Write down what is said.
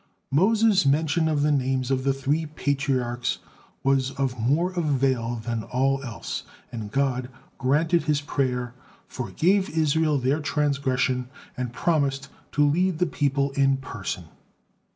Moses' mention of the names of the three Patriarchs was of more avail than all else, and God granted his prayer, forgave Israel their transgression, and promised to lead the people in person.